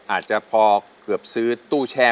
อาจจะพอเกือบซื้อตู้แช่